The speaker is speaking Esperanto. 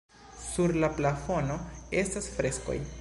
Sur la plafono estas freskoj.